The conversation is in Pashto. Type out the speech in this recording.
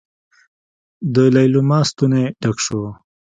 د ليلما ستونی ډک شو.